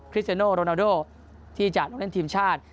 คริสเซโนโรนาโดที่จัดหลงเล่นทีมชาติ